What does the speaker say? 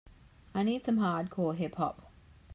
I need some Hardcore Hip Hop